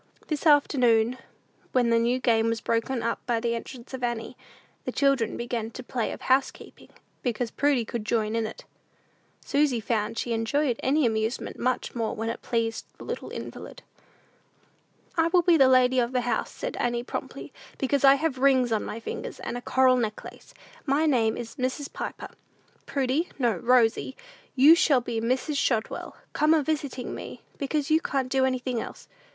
This afternoon, when the new game was broken up by the entrance of Annie, the children began the play of housekeeping, because Prudy could join in it. Susy found she enjoyed any amusement much more when it pleased the little invalid. "I will be the lady of the house," said Annie, promptly, "because I have rings on my fingers, and a coral necklace. My name is Mrs. Piper. Prudy, no, Rosy, you shall be Mrs. Shotwell, come a visiting me; because you can't do anything else.